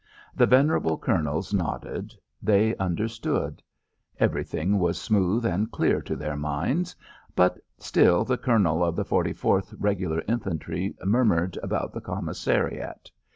The venerable Colonels nodded; they understood. Everything was smooth and clear to their minds. But still, the Colonel of the Forty fourth Regular Infantry murmured about the commissariat.